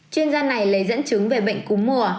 chuyên gia này lấy dẫn chứng về bệnh cúm mùa